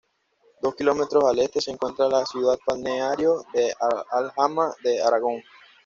Dos kilómetros al este se encuentra la ciudad balneario de Alhama de Aragón.